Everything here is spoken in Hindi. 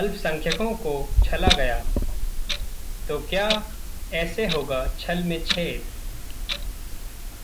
'...अल्पसंख्यकों को छला गया'...तो क्या ऐसे होगा छल में छेद!